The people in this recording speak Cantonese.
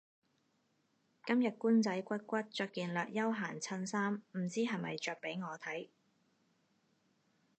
今日官仔骨骨着件略休閒恤衫唔知係咪着畀我睇